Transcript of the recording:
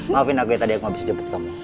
maafin aku ya tadi aku abis jemput kamu